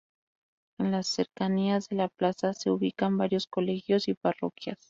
En las cercanías de la plaza se ubican varios colegios y parroquias.